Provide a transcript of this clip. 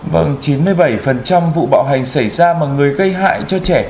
vâng chín mươi bảy vụ bạo hành xảy ra mà người gây hại cho trẻ